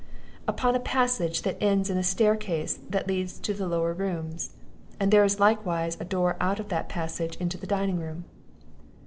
"Upon a passage that ends in a staircase that leads to the lower rooms; and there is likewise a door out of that passage into the dining room."